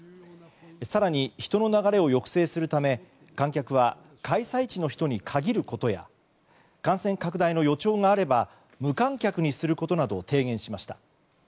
更に人の流れを抑制するため観客は開催地の人に限ることや感染拡大の予兆があれば無観客にすることなどを提言しました。